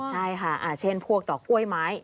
ใช่ค่ะเช่นพวกดอกกล้วยไม้